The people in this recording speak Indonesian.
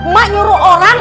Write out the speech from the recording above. mak nyuruh orang